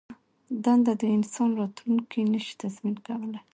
دنده د انسان راتلوونکی نه شي تضمین کولای.